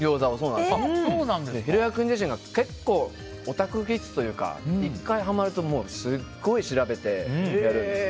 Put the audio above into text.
裕哉君自身が結構、オタク気質というか１回はまるとすごい調べてやるんですよ。